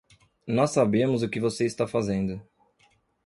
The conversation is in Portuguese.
Nós sabemos o que você está fazendo.